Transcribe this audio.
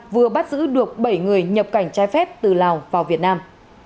vừa bắt giữ được bảy người nhập cảnh trái phép từ lào vào việt nam